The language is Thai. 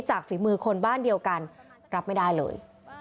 ฝีมือคนบ้านเดียวกันรับไม่ได้เลย